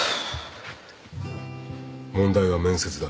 問題は面接だ。